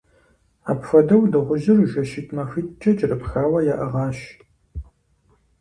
Апхуэдэу дыгъужьыр жэщитӏ-махуитӏкӏэ кӏэрыпхауэ яӏыгъащ.